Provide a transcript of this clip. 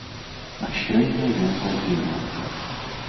А сёння ён загінуў.